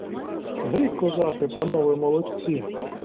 Гей, козаки, панове молодці!